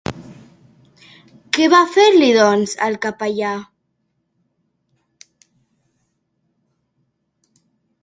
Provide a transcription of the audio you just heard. Què va fer-li, doncs, el capellà?